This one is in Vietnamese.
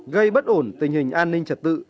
gây bất ổn tình hình an ninh trật tự